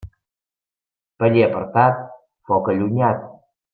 Paller apartat, foc allunyat.